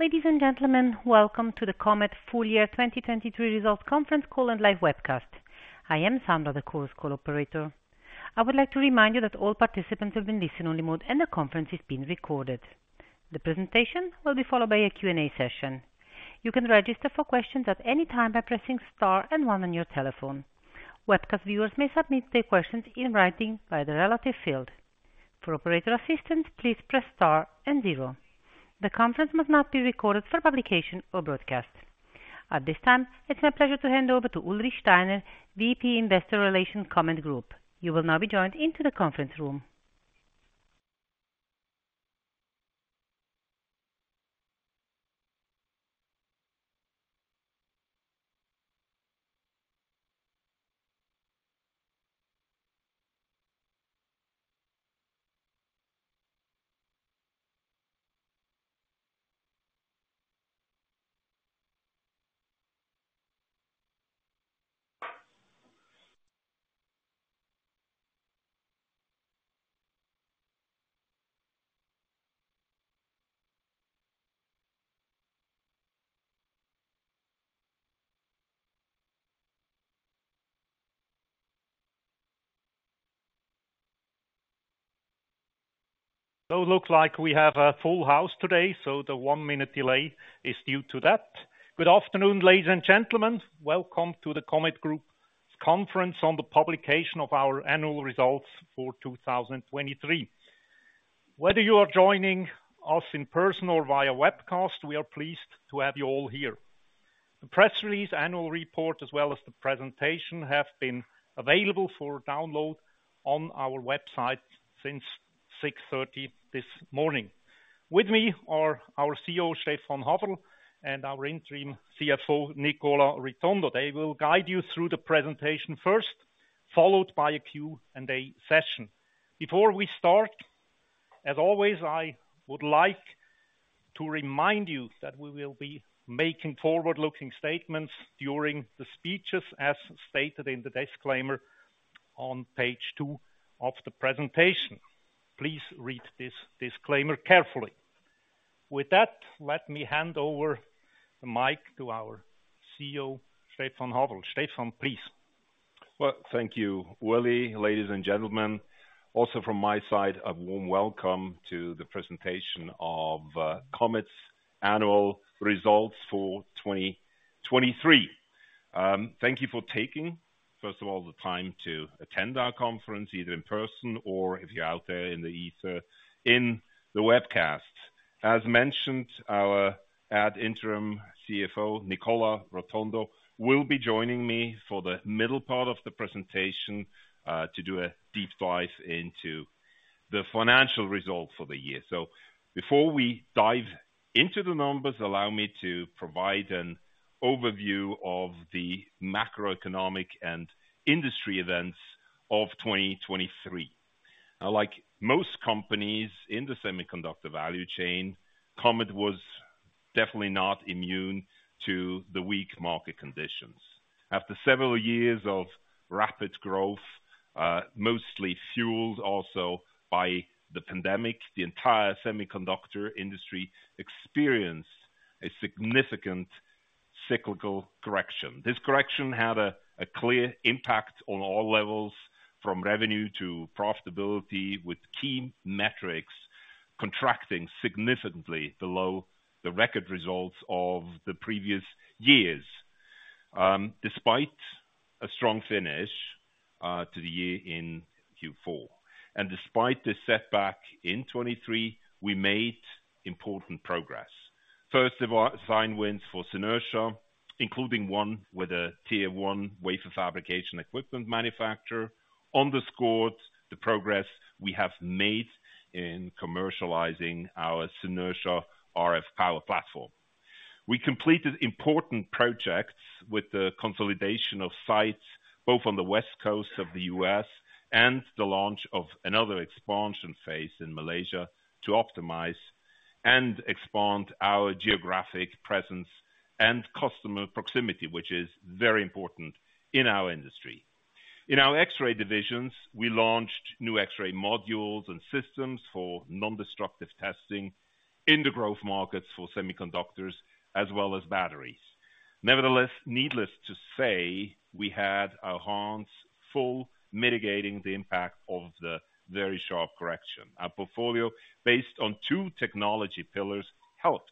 Ladies and gentlemen, welcome to the Comet Full Year 2023 Results Conference Call and Live Webcast. I am Sandra, the call operator. I would like to remind you that all participants are in listen-only mode, and the conference is being recorded. The presentation will be followed by a Q&A session. You can register for questions at any time by pressing star and one on your telephone. Webcast viewers may submit their questions in writing by the relevant field. For operator assistance, please press star and zero. The conference must not be recorded for publication or broadcast. At this time, it's my pleasure to hand over to Ulrich Steiner, VP, Investor Relations, Comet Group. You will now be joined into the conference room. So it looks like we have a full house today, so the 1-minute delay is due to that. Good afternoon, ladies and gentlemen. Welcome to the Comet Group Conference on the publication of our annual results for 2023. Whether you are joining us in person or via webcast, we are pleased to have you all here. The press release, annual report, as well as the presentation, have been available for download on our website since 6:30 A.M. this morning. With me are our CEO, Stephan Haferl, and our interim CFO, Nicola Rotondo. They will guide you through the presentation first, followed by a Q&A session. Before we start, as always, I would like to remind you that we will be making forward-looking statements during the speeches, as stated in the disclaimer on page 2 of the presentation. Please read this disclaimer carefully. With that, let me hand over the mic to our CEO, Stephan Haferl. Stephan, please. Well, thank you, Uli. Ladies and gentlemen, also from my side, a warm welcome to the presentation of Comet's annual results for 2023. Thank you for taking, first of all, the time to attend our conference, either in person or if you're out there in the ether, in the webcast. As mentioned, our ad interim CFO, Nicola Rotondo, will be joining me for the middle part of the presentation to do a deep dive into the financial results for the year. So before we dive into the numbers, allow me to provide an overview of the macroeconomic and industry events of 2023. Now, like most companies in the semiconductor value chain, Comet was definitely not immune to the weak market conditions. After several years of rapid growth, mostly fueled also by the pandemic, the entire semiconductor industry experienced a significant cyclical correction. This correction had a clear impact on all levels, from revenue to profitability, with key metrics contracting significantly below the record results of the previous years. Despite a strong finish to the year in Q4, and despite this setback in 2023, we made important progress. First of all, design wins for Synertia, including one with a Tier 1 wafer fabrication equipment manufacturer, underscored the progress we have made in commercializing our Synertia RF power platform. We completed important projects with the consolidation of sites, both on the West Coast of the U.S. and the launch of another expansion phase in Malaysia, to optimize and expand our geographic presence and customer proximity, which is very important in our industry. In our X-ray divisions, we launched new X-ray modules and systems for nondestructive testing in the growth markets for semiconductors as well as batteries. Nevertheless, needless to say, we had our hands full mitigating the impact of the very sharp correction. Our portfolio, based on two technology pillars, helped,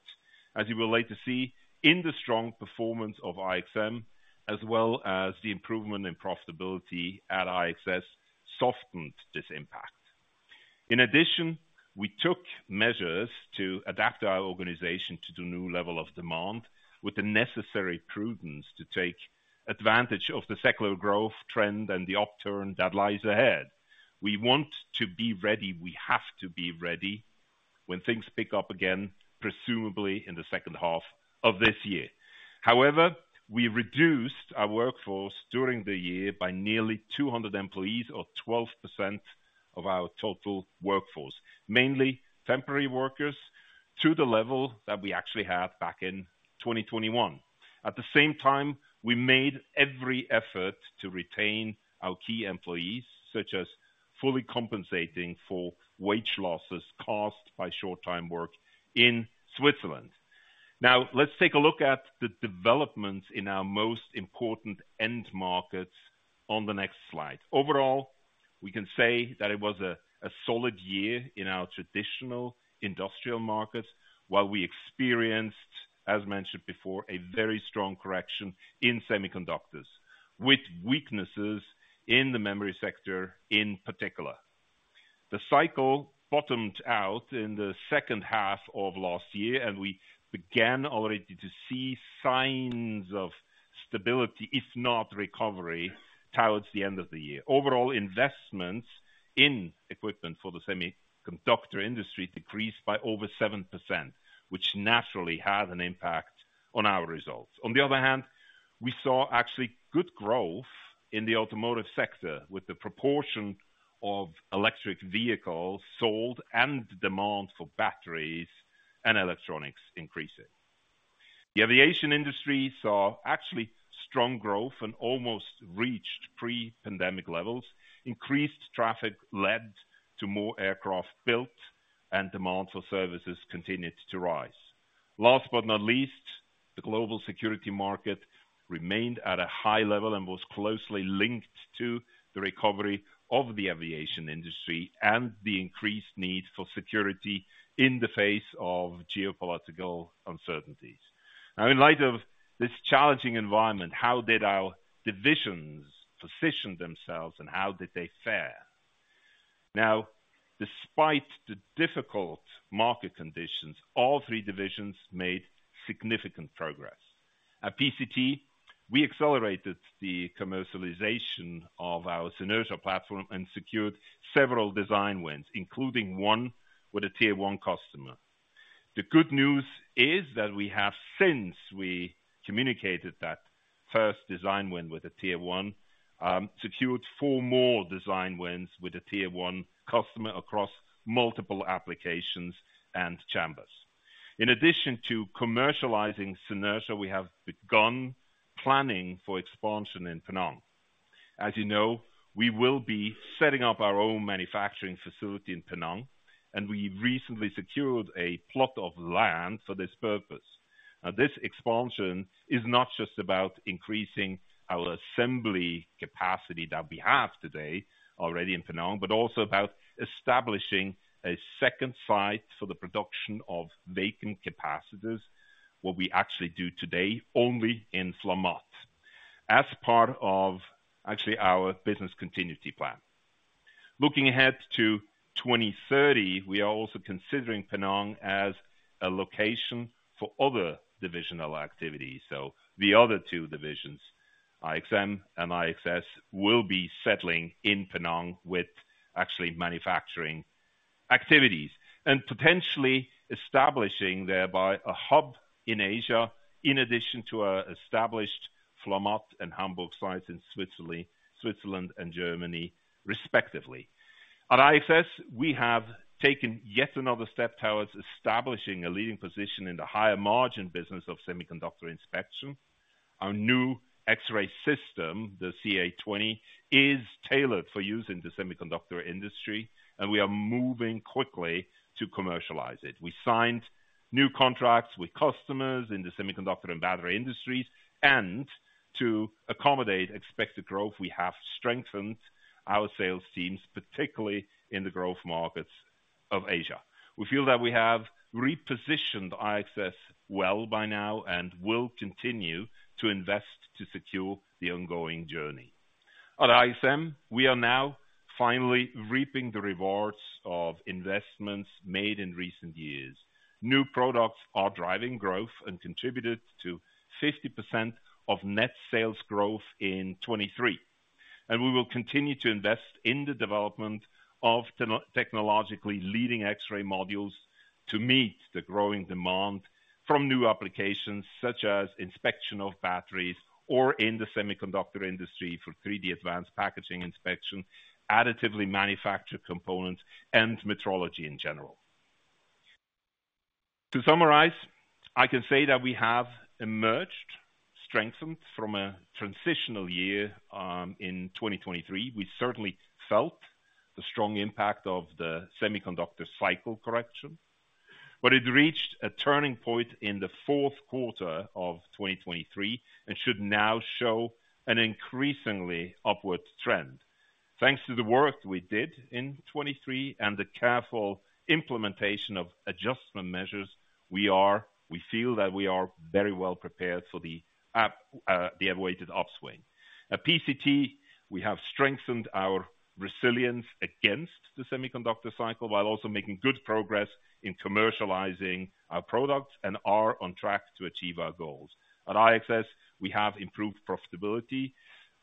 as you will later see, in the strong performance of IXM, as well as the improvement in profitability at IXS, softened this impact. In addition, we took measures to adapt our organization to the new level of demand with the necessary prudence to take advantage of the secular growth trend and the upturn that lies ahead. We want to be ready, we have to be ready when things pick up again, presumably in the second half of this year. However, we reduced our workforce during the year by nearly 200 employees or 12% of our total workforce, mainly temporary workers, to the level that we actually had back in 2021. At the same time, we made every effort to retain our key employees, fully compensating for wage losses caused by short-time work in Switzerland. Now, let's take a look at the developments in our most important end markets on the next slide. Overall, we can say that it was a solid year in our traditional industrial markets, while we experienced, as mentioned before, a very strong correction in semiconductors, with weaknesses in the memory sector in particular. The cycle bottomed out in the second half of last year, and we began already to see signs of stability, if not recovery, towards the end of the year. Overall, investments in equipment for the semiconductor industry decreased by over 7%, which naturally had an impact on our results. On the other hand, we saw actually good growth in the automotive sector, with the proportion of electric vehicles sold and demand for batteries and electronics increasing. The aviation industry saw actually strong growth and almost reached pre-pandemic levels. Increased traffic led to more aircraft built, and demand for services continued to rise. Last but not least, the global security market remained at a high level and was closely linked to the recovery of the aviation industry and the increased need for security in the face of geopolitical uncertainties. Now, in light of this challenging environment, how did our divisions position themselves, and how did they fare? Now, despite the difficult market conditions, all three divisions made significant progress. At PCT, we accelerated the commercialization of our Synertia platform and secured several design wins, including one with a Tier 1 customer. The good news is that we have, since we communicated that first design win with a Tier One, secured four more design wins with a Tier One customer across multiple applications and chambers. In addition to commercializing Synertia, we have begun planning for expansion in Penang. As you know, we will be setting up our own manufacturing facility in Penang, and we recently secured a plot of land for this purpose. Now, this expansion is not just about increasing our assembly capacity that we have today already in Penang, but also about establishing a second site for the production of vacuum capacitors, what we actually do today, only in Flamatt, as part of actually our business continuity plan. Looking ahead to 2030, we are also considering Penang as a location for other divisional activities. So the other two divisions, IXM and IXS, will be settling in Penang with actually manufacturing activities, and potentially establishing thereby a hub in Asia, in addition to our established Flamatt and Hamburg sites in Switzerland and Germany, respectively. At IXS, we have taken yet another step towards establishing a leading position in the higher margin business of semiconductor inspection. Our new X-ray system, the CA-20, is tailored for use in the semiconductor industry, and we are moving quickly to commercialize it. We signed new contracts with customers in the semiconductor and battery industries, and to accommodate expected growth, we have strengthened our sales teams, particularly in the growth markets of Asia. We feel that we have repositioned IXS well by now and will continue to invest to secure the ongoing journey. At IXM, we are now finally reaping the rewards of investments made in recent years. New products are driving growth and contributed to 50% of net sales growth in 2023, and we will continue to invest in the development of technologically leading X-ray modules to meet the growing demand from new applications, such as inspection of batteries or in the semiconductor industry for 3D Advanced Packaging inspection, additively manufactured components, and metrology in general. To summarize, I can say that we have emerged strengthened from a transitional year in 2023. We certainly felt the strong impact of the semiconductor cycle correction, but it reached a turning point in the fourth quarter of 2023 and should now show an increasingly upward trend. Thanks to the work we did in 2023 and the careful implementation of adjustment measures, we are- we feel that we are very well prepared for the up, the awaited upswing. At PCT, we have strengthened our resilience against the semiconductor cycle, while also making good progress in commercializing our products and are on track to achieve our goals. At IXS, we have improved profitability,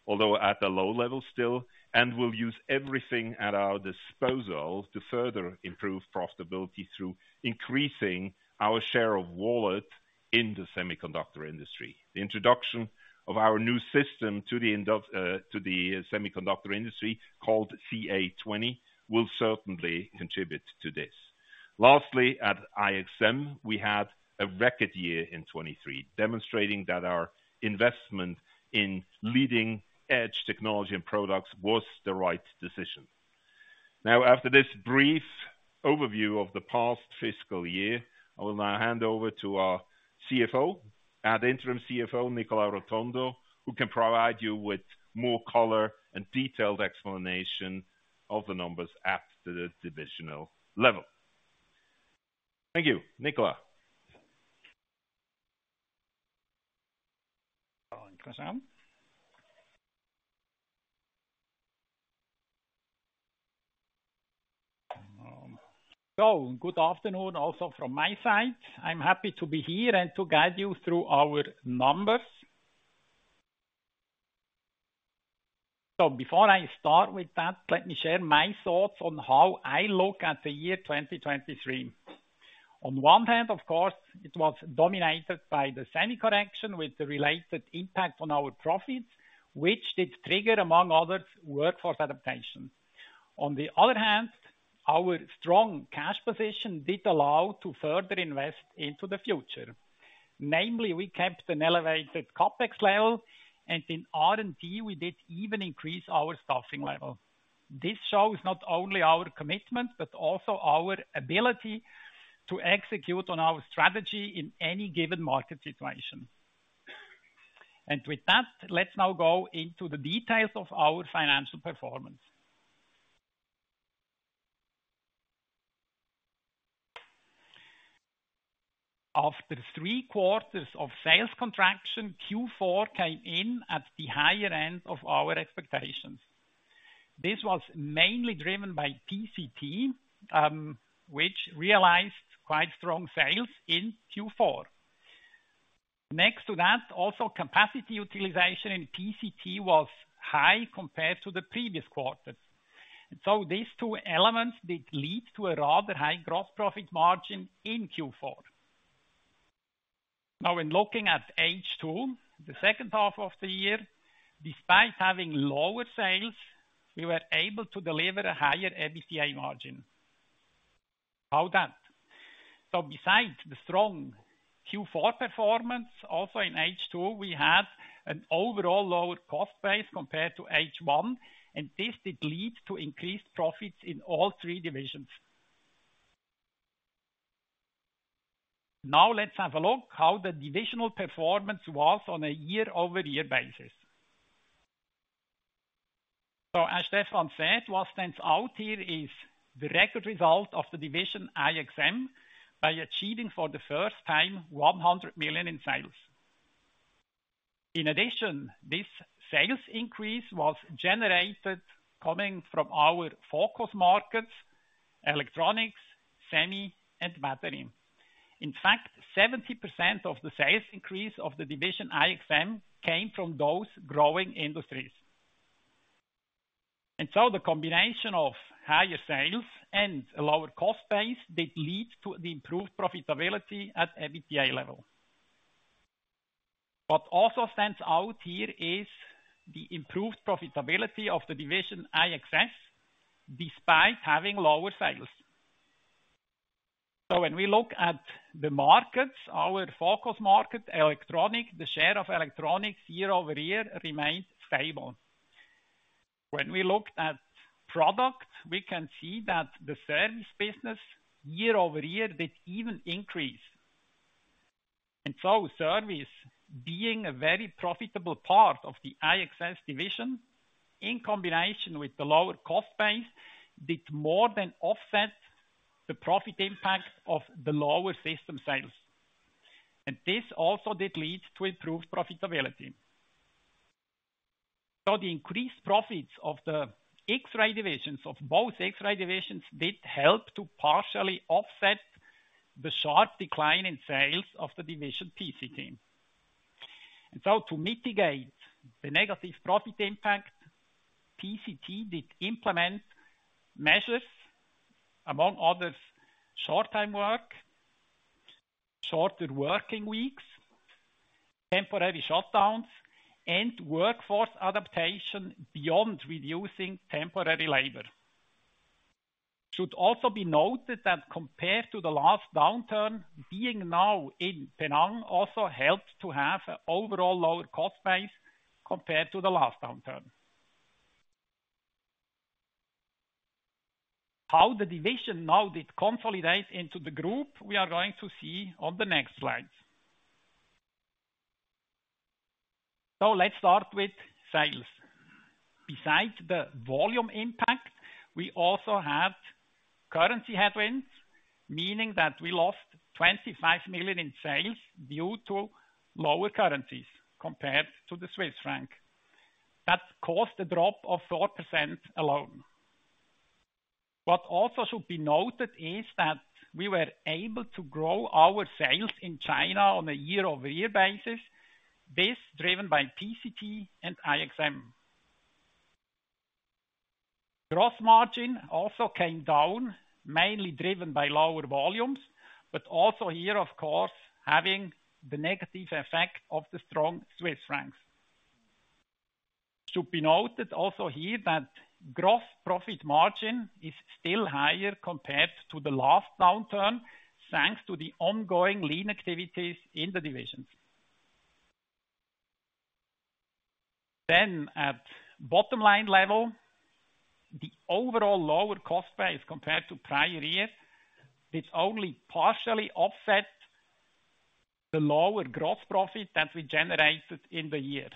although at a low level still, and we'll use everything at our disposal to further improve profitability through increasing our share of wallet in the semiconductor industry. The introduction of our new system to the semiconductor industry, called CA-20, will certainly contribute to this.... Lastly, at IXM, we had a record year in 2023, demonstrating that our investment in leading-edge technology and products was the right decision. Now, after this brief overview of the past fiscal year, I will now hand over to our CFO, our interim CFO, Nicola Rotondo, who can provide you with more color and detailed explanation of the numbers at the divisional level. Thank you. Nicola? One question. So good afternoon also from my side. I'm happy to be here and to guide you through our numbers. So before I start with that, let me share my thoughts on how I look at the year 2023. On one hand, of course, it was dominated by the semi-correction, with the related impact on our profits, which did trigger, among others, workforce adaptation. On the other hand, our strong cash position did allow to further invest into the future. Namely, we kept an elevated CapEx level, and in R&D, we did even increase our staffing level. This shows not only our commitment, but also our ability to execute on our strategy in any given market situation. And with that, let's now go into the details of our financial performance. After three quarters of sales contraction, Q4 came in at the higher end of our expectations. This was mainly driven by PCT, which realized quite strong sales in Q4. Next to that, also, capacity utilization in PCT was high compared to the previous quarters. And so these two elements did lead to a rather high gross profit margin in Q4. Now, when looking at H2, the second half of the year, despite having lower sales, we were able to deliver a higher EBITDA margin. How that? So besides the strong Q4 performance, also in H2, we had an overall lower cost base compared to H1, and this did lead to increased profits in all three divisions. Now, let's have a look how the divisional performance was on a year-over-year basis. So, as Stephan said, what stands out here is the record result of the division IXM, by achieving, for the first time, 100 million in sales. In addition, this sales increase was generated coming from our focus markets, electronics, semi, and battery. In fact, 70% of the sales increase of the division IXM came from those growing industries. And so the combination of higher sales and a lower cost base did lead to the improved profitability at EBITDA level. What also stands out here is the improved profitability of the division IXS, despite having lower sales. So when we look at the markets, our focus market, electronics, the share of electronics year-over-year remains stable. When we look at product, we can see that the service business, year-over-year, did even increase. And so service, being a very profitable part of the IXS division, in combination with the lower cost base, did more than offset the profit impact of the lower system sales. And this also did lead to improved profitability. So the increased profits of the X-ray divisions, of both X-ray divisions, did help to partially offset the sharp decline in sales of the division PCT. And so to mitigate the negative profit impact, PCT did implement measures, among others, short-time work, shorter working weeks, temporary shutdowns, and workforce adaptation beyond reducing temporary labor. Should also be noted that compared to the last downturn, being now in Penang also helps to have an overall lower cost base compared to the last downturn. How the division now did consolidate into the group, we are going to see on the next slides. So let's start with sales. Besides the volume impact, we also had currency headwinds, meaning that we lost 25 million in sales due to lower currencies compared to the Swiss franc. That caused a drop of 4% alone. What also should be noted is that we were able to grow our sales in China on a year-over-year basis, this driven by PCT and IXM. Gross margin also came down, mainly driven by lower volumes, but also here, of course, having the negative effect of the strong Swiss franc. Should be noted also here that gross profit margin is still higher compared to the last downturn, thanks to the ongoing lean activities in the divisions. Then at bottom line level, the overall lower cost base compared to prior years, it's only partially offset the lower gross profit that we generated in the year.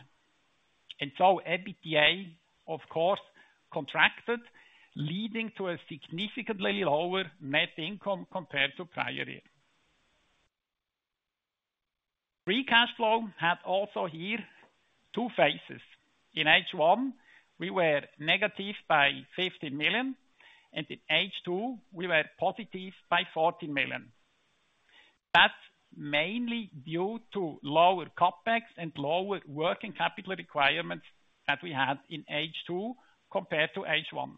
And so EBITDA, of course, contracted, leading to a significantly lower net income compared to prior year. Free cash flow had also here two phases. In H1, we were negative by 50 million, and in H2, we were positive by 40 million. That's mainly due to lower CapEx and lower working capital requirements that we had in H2 compared to H1.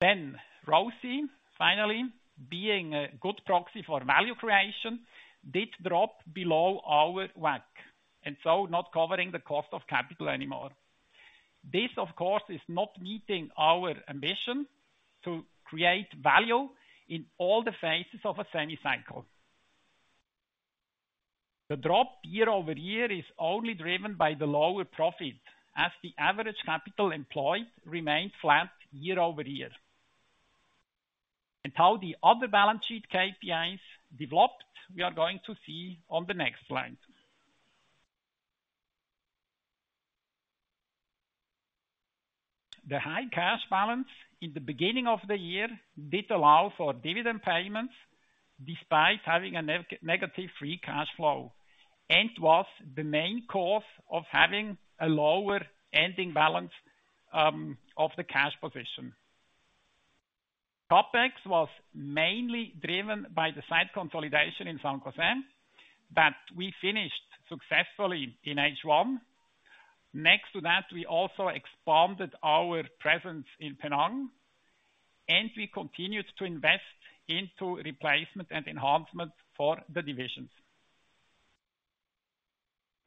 Then ROCE, finally, being a good proxy for value creation, did drop below our WACC, and so not covering the cost of capital anymore. This, of course, is not meeting our ambition to create value in all the phases of a semi cycle. The drop year-over-year is only driven by the lower profit, as the average capital employed remained flat year-over-year. How the other balance sheet KPIs developed, we are going to see on the next slide. The high cash balance in the beginning of the year did allow for dividend payments, despite having a negative free cash flow, and was the main cause of having a lower ending balance of the cash position. CapEx was mainly driven by the site consolidation in San Jose, that we finished successfully in H1. Next to that, we also expanded our presence in Penang, and we continued to invest into replacement and enhancement for the divisions.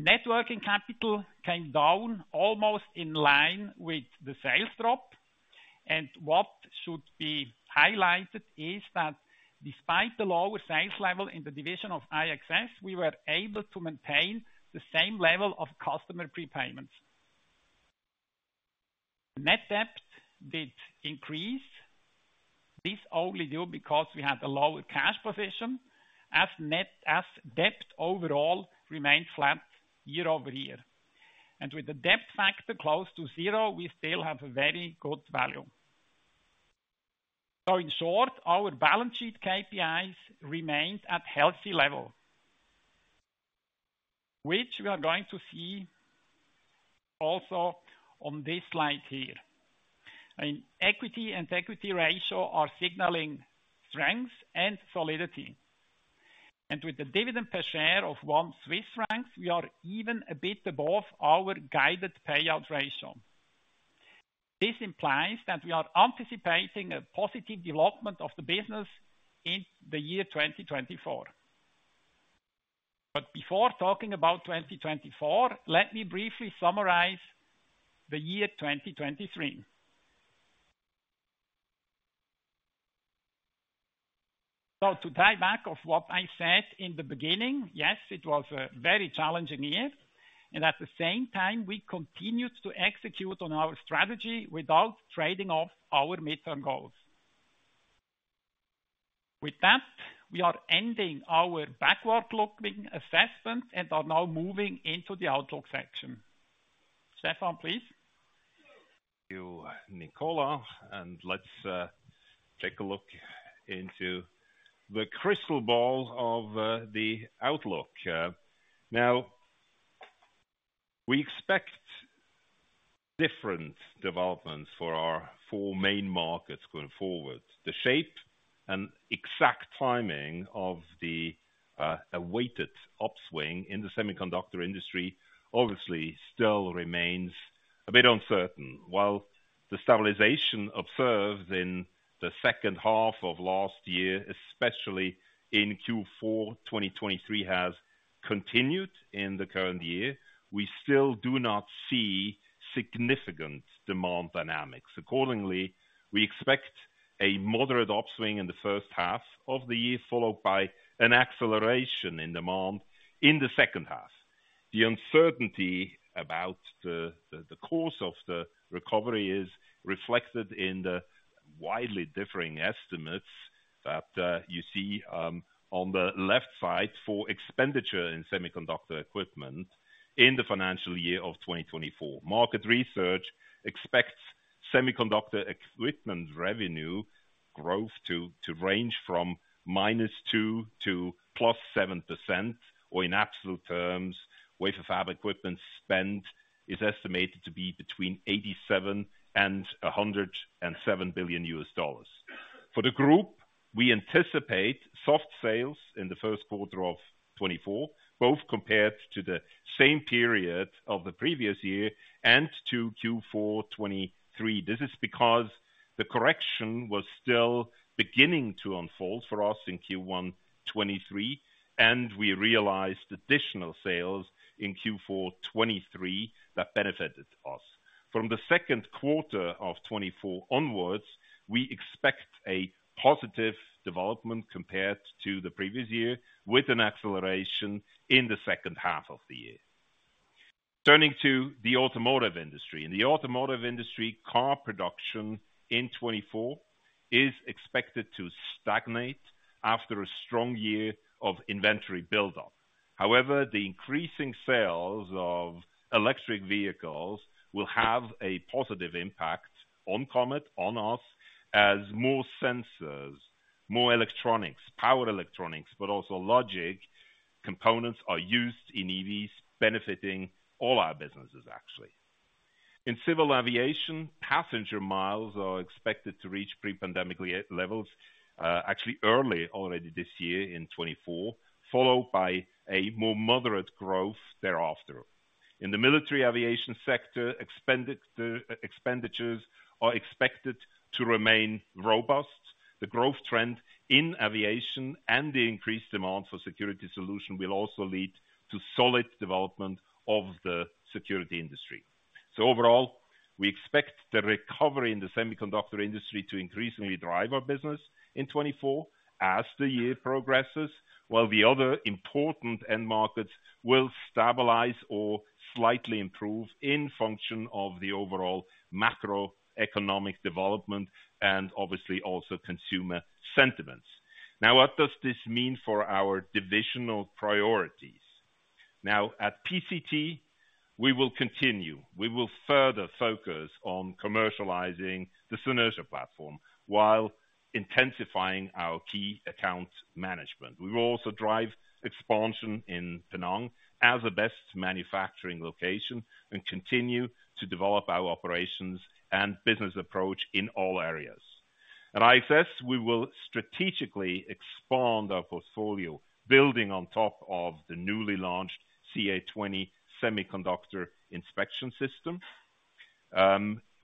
Net working capital came down almost in line with the sales drop, and what should be highlighted is that despite the lower sales level in the division of IXS, we were able to maintain the same level of customer prepayments. Net debt did increase. This only due because we had a lower cash position, as debt overall remained flat year-over-year. With the debt factor close to zero, we still have a very good value. In short, our balance sheet KPIs remained at healthy level, which we are going to see also on this slide here. Equity and equity ratio are signaling strength and solidity. With the dividend per share of 1 Swiss franc, we are even a bit above our guided payout ratio. This implies that we are anticipating a positive development of the business in the year 2024. Before talking about 2024, let me briefly summarize the year 2023. So to tie back to what I said in the beginning, yes, it was a very challenging year, and at the same time, we continued to execute on our strategy without trading off our midterm goals. With that, we are ending our backward-looking assessment and are now moving into the outlook section. Stephan, please. Thank you, Nicola, and let's take a look into the crystal ball of the outlook. Now, we expect different developments for our four main markets going forward. The shape and exact timing of the awaited upswing in the semiconductor industry obviously still remains a bit uncertain. While the stabilization observed in the second half of last year, especially in Q4 2023, has continued in the current year, we still do not see significant demand dynamics. Accordingly, we expect a moderate upswing in the first half of the year, followed by an acceleration in demand in the second half. The uncertainty about the course of the recovery is reflected in the widely differing estimates that you see on the left side for expenditure in semiconductor equipment in the financial year of 2024. Market research expects semiconductor equipment revenue growth to range from -2% to +7%, or in absolute terms, wafer fab equipment spend is estimated to be between $87 billion and $107 billion. For the group, we anticipate soft sales in the first quarter of 2024, both compared to the same period of the previous year and to Q4 2023. This is because the correction was still beginning to unfold for us in Q1 2023, and we realized additional sales in Q4 2023 that benefited us.... From the second quarter of 2024 onwards, we expect a positive development compared to the previous year, with an acceleration in the second half of the year. Turning to the automotive industry. In the automotive industry, car production in 2024 is expected to stagnate after a strong year of inventory buildup. However, the increasing sales of electric vehicles will have a positive impact on Comet, on us, as more sensors, more electronics, power electronics, but also logic components are used in EVs, benefiting all our businesses actually. In civil aviation, passenger miles are expected to reach pre-pandemic levels, actually early already this year in 2024, followed by a more moderate growth thereafter. In the military aviation sector, expenditures are expected to remain robust. The growth trend in aviation and the increased demand for security solution will also lead to solid development of the security industry. So overall, we expect the recovery in the semiconductor industry to increasingly drive our business in 2024 as the year progresses, while the other important end markets will stabilize or slightly improve in function of the overall macroeconomic development and obviously also consumer sentiments. Now, what does this mean for our divisional priorities? Now, at PCT, we will continue. We will further focus on commercializing the Synertia platform, while intensifying our key account management. We will also drive expansion in Penang as the best manufacturing location, and continue to develop our operations and business approach in all areas. At IXS, we will strategically expand our portfolio, building on top of the newly launched CA-20 semiconductor inspection system.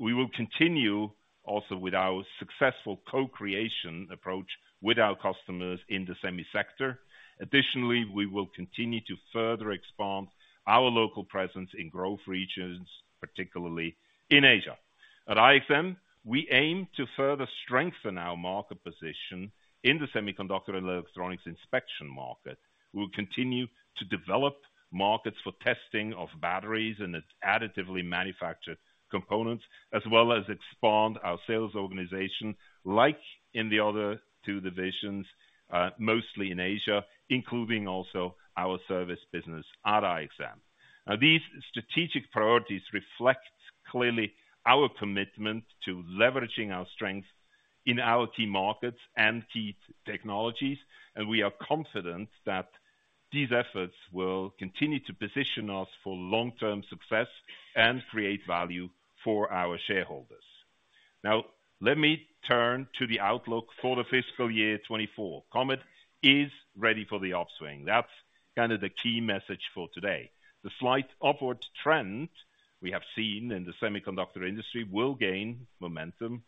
We will continue also with our successful co-creation approach with our customers in the semi sector. Additionally, we will continue to further expand our local presence in growth regions, particularly in Asia. At IXM, we aim to further strengthen our market position in the semiconductor electronics inspection market. We will continue to develop markets for testing of batteries and its additively manufactured components, as well as expand our sales organization, like in the other two divisions, mostly in Asia, including also our service business at IXM. Now, these strategic priorities reflect clearly our commitment to leveraging our strength in our key markets and key technologies, and we are confident that these efforts will continue to position us for long-term success and create value for our shareholders. Now, let me turn to the outlook for the fiscal year 2024. Comet is ready for the upswing. That's kind of the key message for today. The slight upward trend we have seen in the semiconductor industry will gain momentum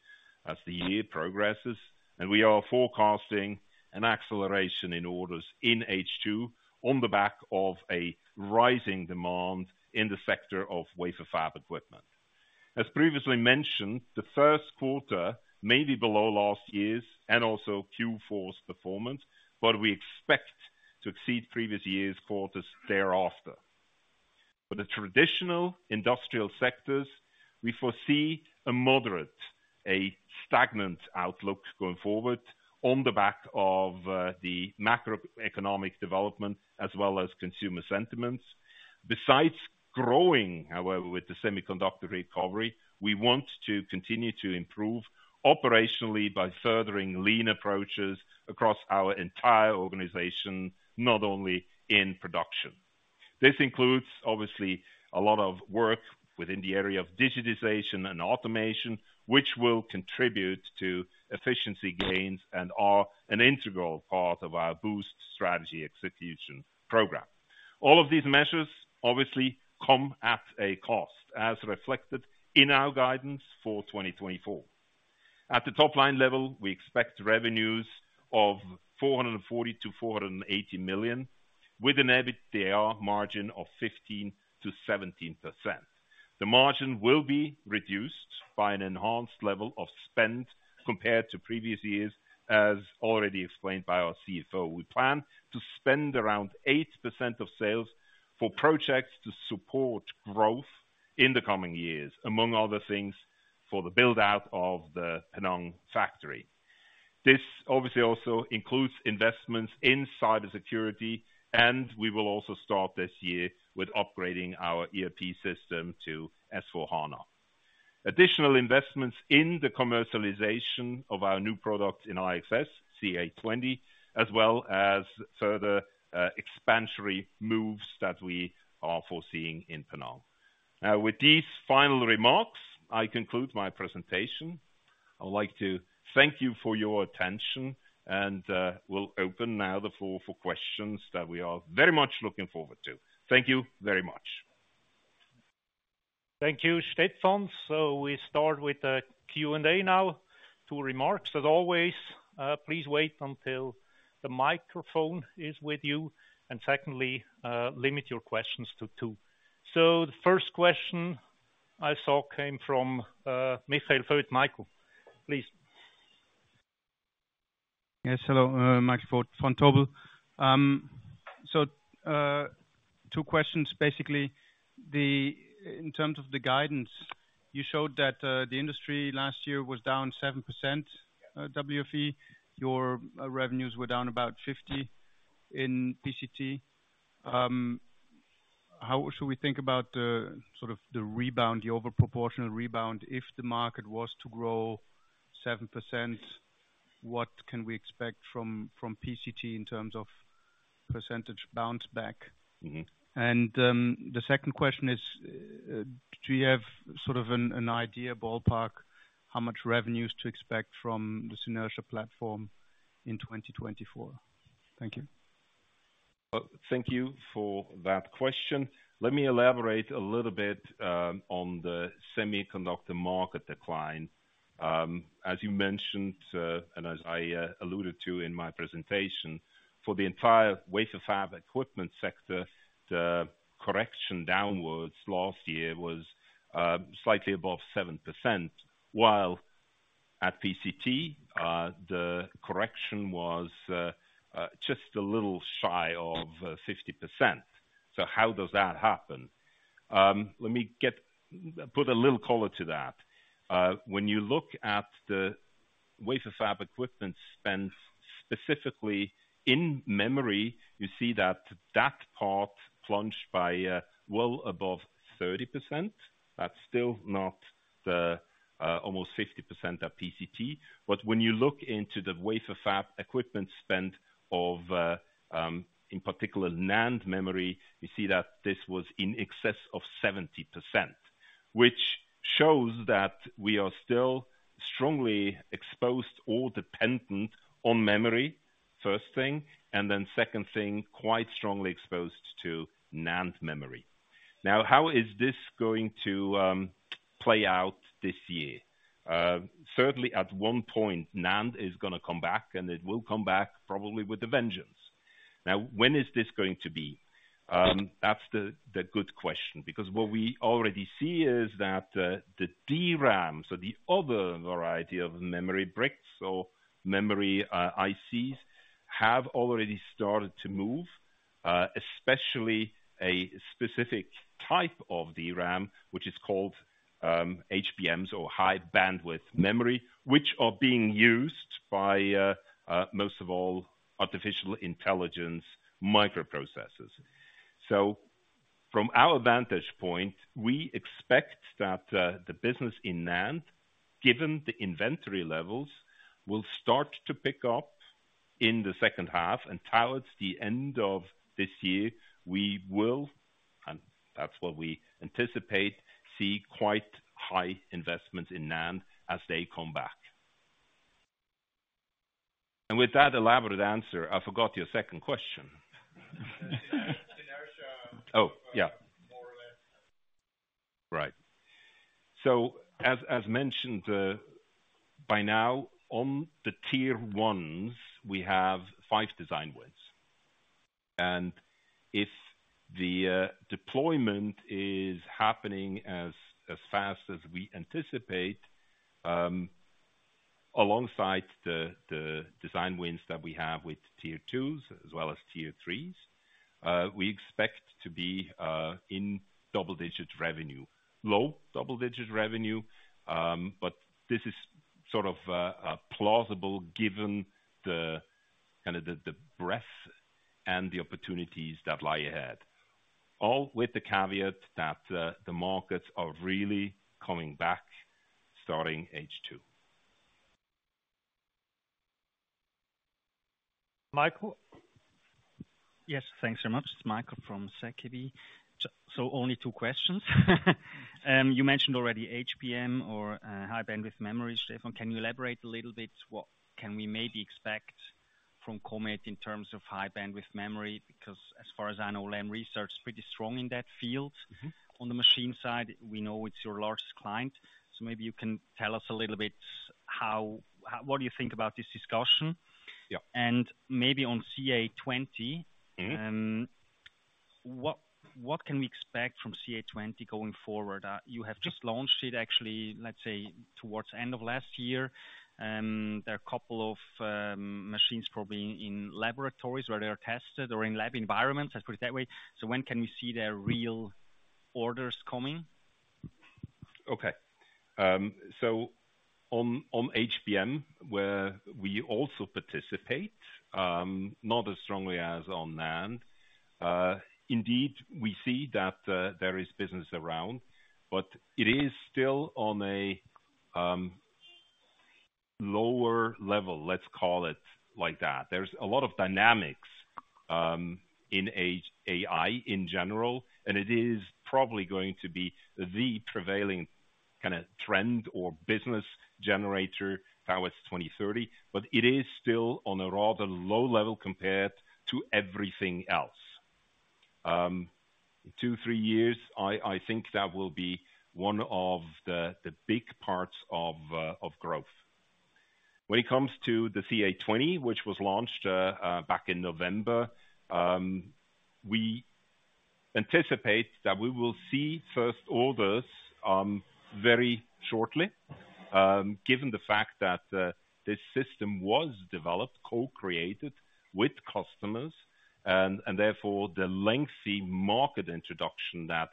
as the year progresses, and we are forecasting an acceleration in orders in H2 on the back of a rising demand in the sector of wafer fab equipment. As previously mentioned, the first quarter may be below last year's and also Q4's performance, but we expect to exceed previous years' quarters thereafter. For the traditional industrial sectors, we foresee a moderate, a stagnant outlook going forward on the back of the macroeconomic development as well as consumer sentiments. Besides growing, however, with the semiconductor recovery, we want to continue to improve operationally by furthering lean approaches across our entire organization, not only in production. This includes, obviously, a lot of work within the area of digitization and automation, which will contribute to efficiency gains and are an integral part of our Boost strategy execution program. All of these measures obviously come at a cost, as reflected in our guidance for 2024. At the top line level, we expect revenues of 440 million-480 million, with an EBITDA margin of 15%-17%. The margin will be reduced by an enhanced level of spend compared to previous years, as already explained by our CFO. We plan to spend around 8% of sales for projects to support growth in the coming years, among other things, for the build-out of the Penang factory. This obviously also includes investments in cybersecurity, and we will also start this year with upgrading our ERP system to S/4HANA. Additional investments in the commercialization of our new product in IXS, CA-20, as well as further, expansionary moves that we are foreseeing in Penang. Now, with these final remarks, I conclude my presentation. I would like to thank you for your attention and, we'll open now the floor for questions that we are very much looking forward to. Thank you very much. Thank you, Stephan. We start with the Q&A now.... two remarks. As always, please wait until the microphone is with you, and secondly, limit your questions to two. So the first question I saw came from, Michael Foeth. Michael, please. Yes, hello, Michael Foeth from Stifel. So, two questions. Basically, in terms of the guidance, you showed that the industry last year was down 7%, WFE. Your revenues were down about 50% in PCT. How should we think about the sort of the rebound, the overproportional rebound? If the market was to grow 7%, what can we expect from PCT in terms of percentage bounce back? Mm-hmm. The second question is, do you have sort of an idea, ballpark, how much revenues to expect from the Synertia platform in 2024? Thank you. Thank you for that question. Let me elaborate a little bit on the semiconductor market decline. As you mentioned, and as I alluded to in my presentation, for the entire wafer fab equipment sector, the correction downwards last year was slightly above 7%, while at PCT, the correction was just a little shy of 50%. So how does that happen? Let me put a little color to that. When you look at the wafer fab equipment spend, specifically in memory, you see that that part plunged by well above 30%. That's still not the almost 50% of PCT. But when you look into the wafer fab equipment spend of, in particular, NAND memory, you see that this was in excess of 70%, which shows that we are still strongly exposed or dependent on memory, first thing, and then second thing, quite strongly exposed to NAND memory. Now, how is this going to play out this year? Certainly, at one point, NAND is gonna come back, and it will come back probably with a vengeance. Now, when is this going to be? That's the good question, because what we already see is that, the DRAM, so the other variety of memory bricks or memory, ICs, have already started to move, especially a specific type of DRAM, which is called, HBMs or high bandwidth memory, which are being used by, most of all, artificial intelligence microprocessors. From our vantage point, we expect that the business in NAND, given the inventory levels, will start to pick up in the second half, and towards the end of this year, we will, and that's what we anticipate, see quite high investments in NAND as they come back. And with that elaborate answer, I forgot your second question. Synertia- Oh, yeah. More or less. Right. So as mentioned, by now, on the tier ones, we have five design wins. And if the deployment is happening as fast as we anticipate, alongside the design wins that we have with Tier 2s as well as tier threes, we expect to be in double-digit revenue. Low double-digit revenue, but this is sort of a plausible, given the kind of the breadth and the opportunities that lie ahead. All with the caveat that the markets are really coming back, starting H2. Michael? Yes, thanks very much. It's Michael from Stifel. So only two questions. You mentioned already HBM or high bandwidth memory, Stefan. Can you elaborate a little bit, what can we maybe expect from Comet in terms of high bandwidth memory? Because as far as I know, Lam Research is pretty strong in that field. Mm-hmm. On the machine side, we know it's your largest client, so maybe you can tell us a little bit how, what do you think about this discussion? Yeah. Maybe on CA-20- Mm-hmm... what can we expect from CA-20 going forward? You have just launched it actually, let's say, towards the end of last year. There are a couple of machines probably in laboratories where they are tested or in lab environments, let's put it that way. So when can we see their real orders coming? Okay. So on HBM, where we also participate, not as strongly as on NAND, indeed, we see that there is business around, but it is still on a lower level, let's call it like that. There's a lot of dynamics in AI in general, and it is probably going to be the prevailing kind of trend or business generator towards 2030, but it is still on a rather low level compared to everything else. 2-3 years, I think that will be one of the big parts of growth. When it comes to the CA-20, which was launched back in November, we anticipate that we will see first orders very shortly. Given the fact that this system was developed, co-created with customers, and therefore, the lengthy market introduction that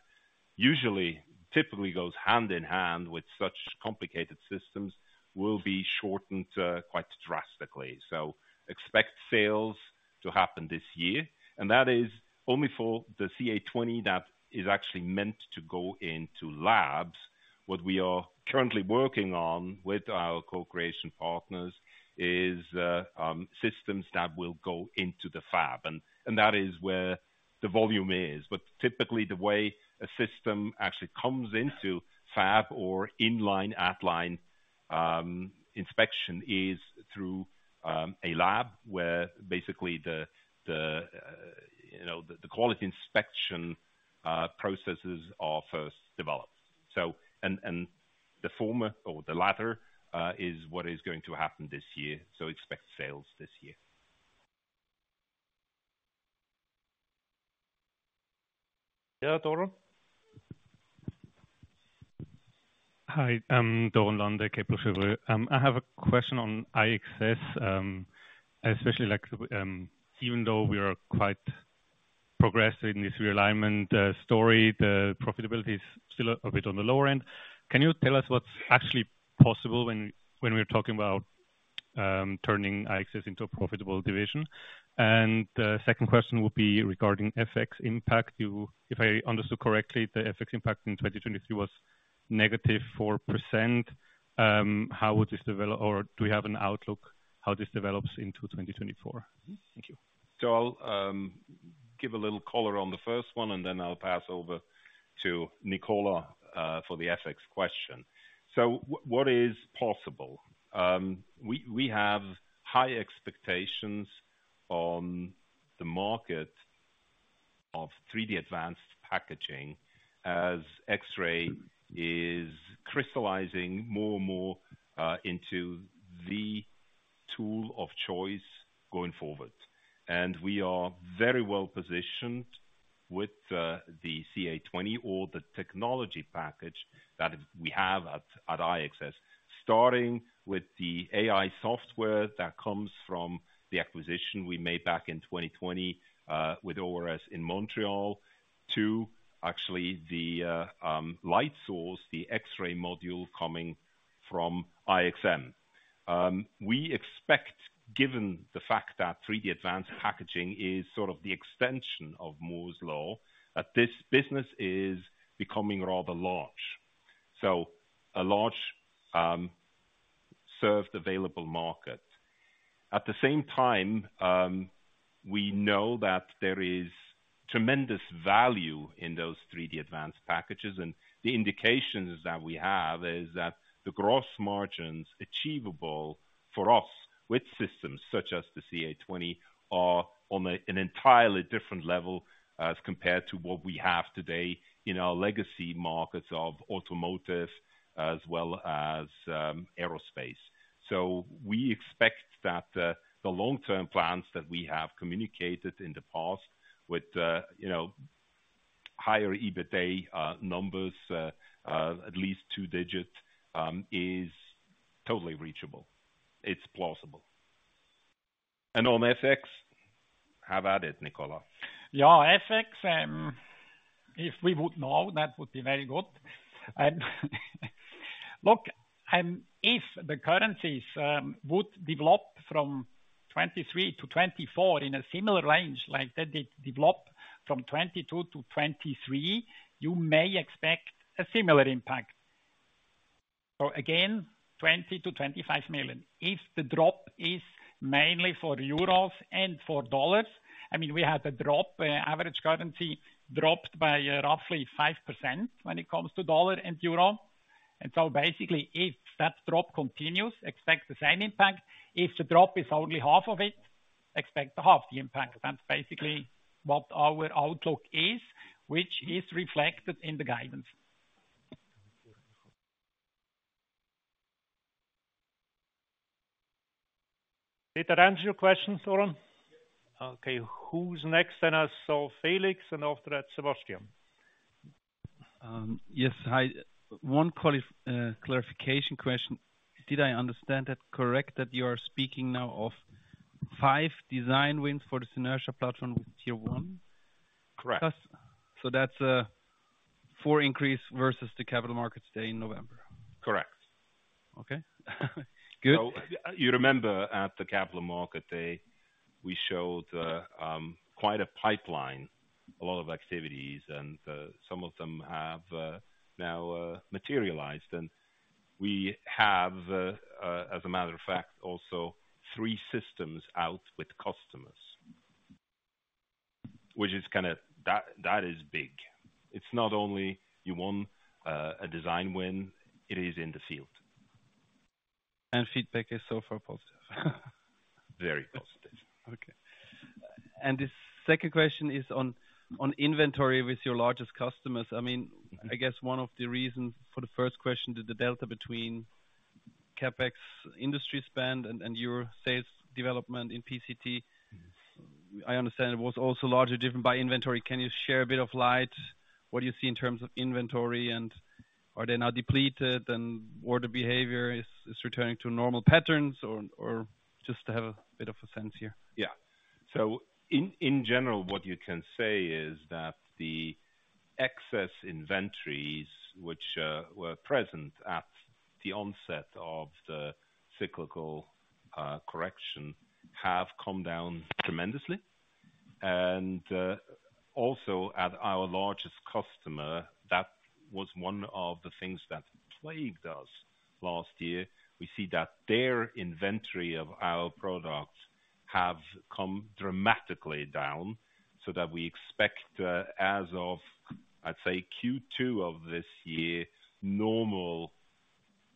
usually typically goes hand in hand with such complicated systems, will be shortened quite drastically. So expect sales to happen this year, and that is only for the CA-20 that is actually meant to go into labs. What we are currently working on with our co-creation partners is systems that will go into the fab, and that is where the volume is. But typically, the way a system actually comes into fab or inline, outline inspection, is through a lab, where basically you know the quality inspection processes are first developed. So the former or the latter is what is going to happen this year, so expect sales this year. Yeah, Doron? Hi, Doron Lande, Kepler Cheuvreux. I have a question on IXS. Especially like, even though we are quite progressive in this realignment story, the profitability is still a bit on the lower end. Can you tell us what's actually possible when we're talking about turning IXS into a profitable division? And, second question would be regarding FX impact. You, if I understood correctly, the FX impact in 2023 was negative 4%. How would this develop or do we have an outlook, how this develops into 2024? Thank you. So I'll give a little color on the first one, and then I'll pass over to Nicola for the FX question. So what is possible? We have high expectations on the market of 3D Advanced Packaging, as X-ray is crystallizing more and more into the tool of choice going forward. And we are very well positioned with the CA-20 or the technology package that we have at IXS, starting with the AI software that comes from the acquisition we made back in 2020 with ORS in Montreal, to actually the light source, the X-ray module coming from IXM. We expect, given the fact that 3D Advanced Packaging is sort of the extension of Moore's Law, that this business is becoming rather large, so a large served available market. At the same time, we know that there is tremendous value in those 3D Advanced Packaging, and the indications that we have is that the gross margins achievable for us with systems such as the CA-20, are on an entirely different level as compared to what we have today in our legacy markets of automotive as well as aerospace. So we expect that, the long-term plans that we have communicated in the past with, you know, higher EBITDA, numbers, at least two-digit, is totally reachable. It's plausible. And on FX, have at it, Nicola. Yeah, FX, if we would know, that would be very good. And look, if the currencies would develop from 2023 to 2024 in a similar range like that they develop from 2022 to 2023, you may expect a similar impact. So again, 20 million-25 million, if the drop is mainly for euros and for dollars. I mean, we had a drop, average currency dropped by roughly 5% when it comes to dollar and euro. And so basically, if that drop continues, expect the same impact. If the drop is only half of it, expect to half the impact. That's basically what our outlook is, which is reflected in the guidance. Did I answer your questions, Doron? Yes. Okay, who's next? I saw Felix, and after that, Sebastian. Yes. Hi, one clarification question: Did I understand that correct, that you are speaking now of five design wins for the Synertia platform with tier one? Correct. So that's 4 increase versus the Capital Markets Day in November? Correct. Okay. Good. So you remember at the Capital Market Day, we showed quite a pipeline, a lot of activities, and some of them have now materialized. And we have, as a matter of fact, also three systems out with customers, which is kind of... That, that is big. It's not only you won a design win, it is in the field.... feedback is so far positive? Very positive. Okay. The second question is on inventory with your largest customers. I mean, I guess one of the reasons for the first question, that the delta between CapEx industry spend and your sales development in PCT, I understand it was also largely driven by inventory. Can you share a bit of light? What do you see in terms of inventory, and are they now depleted, and order behavior is returning to normal patterns or just to have a bit of a sense here? Yeah. So in general, what you can say is that the excess inventories, which were present at the onset of the cyclical correction, have come down tremendously. And also at our largest customer, that was one of the things that plagued us last year. We see that their inventory of our products have come dramatically down, so that we expect, as of, I'd say, Q2 of this year, normal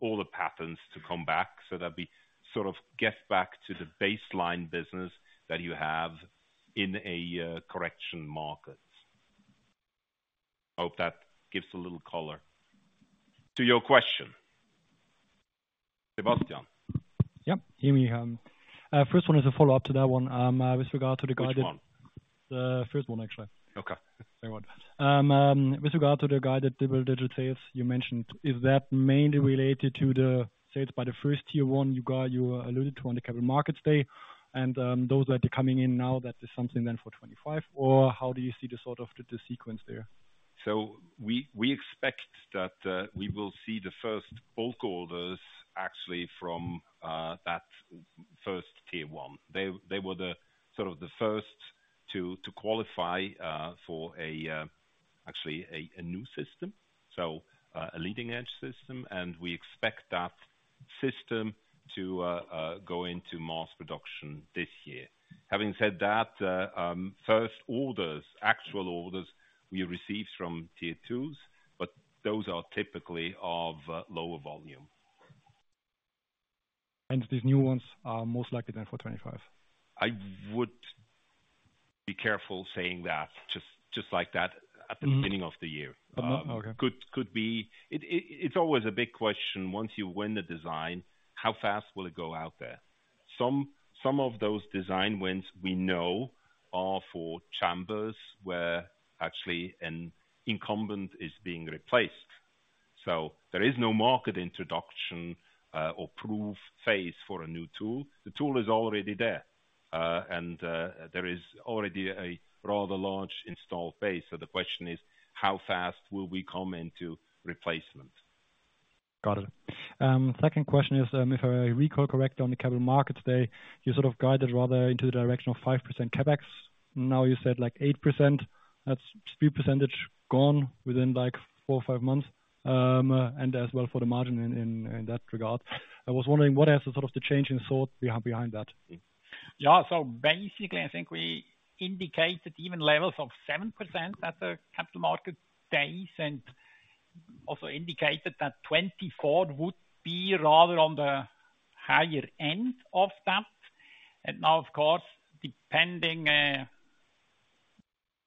order patterns to come back so that we sort of get back to the baseline business that you have in a correction market. I hope that gives a little color to your question. Sebastian? Yep, hear me. First one is a follow-up to that one, with regard to the guided- Which one? The first one, actually. Okay. Very well. With regard to the guided double-digit sales you mentioned, is that mainly related to the sales by the first tier one you got, you alluded to on the Capital Markets Day? And, those that are coming in now, that is something then for 2025, or how do you see the sort of sequence there? So we expect that we will see the first bulk orders actually from that first tier one. They were the sort of the first to qualify for actually a new system, so a leading-edge system, and we expect that system to go into mass production this year. Having said that, first orders, actual orders, we received from tier twos, but those are typically of lower volume. These new ones are most likely then for 2025? I would be careful saying that, just like that, at the- Mm-hmm... beginning of the year. Um, okay. Could be... It's always a big question, once you win the design, how fast will it go out there? Some of those design wins we know are for chambers, where actually an incumbent is being replaced. So there is no market introduction, or proof phase for a new tool. The tool is already there, and there is already a rather large installed base. So the question is, how fast will we come into replacement? Got it. Second question is, if I recall correctly, on the Capital Markets Day, you sort of guided rather into the direction of 5% CapEx. Now you said, like, 8%. That's 3 percentage gone within, like, 4 or 5 months, and as well for the margin in that regard. I was wondering what else is sort of the change in thought behind that? Yeah, so basically, I think we indicated even levels of 7% at the Capital Markets Days, and also indicated that 2024 would be rather on the higher end of that. And now, of course, depending,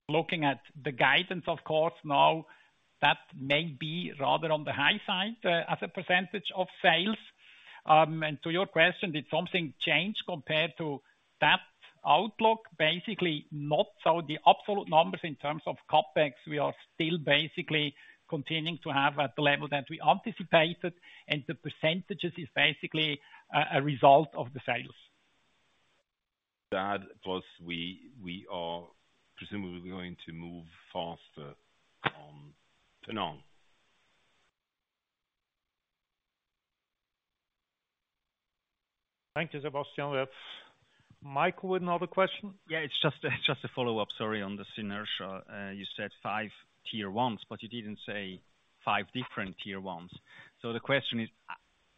looking at the guidance, of course, now that may be rather on the high side, as a percentage of sales. And to your question, did something change compared to that outlook? Basically, not. So the absolute numbers in terms of CapEx, we are still basically continuing to have at the level that we anticipated, and the percentages is basically a result of the sales. That plus we are presumably going to move faster to now. Thank you, Sebastian. We have Michael with another question. Yeah, it's just a follow-up, sorry, on the Synertia. You said five tier ones, but you didn't say five different tier ones. So the question is,